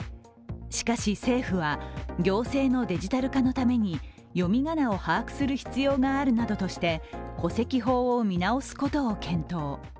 しかし、政府は行政のデジタル化のために読み仮名を把握する必要があるなどとして戸籍法を見直すことを検討。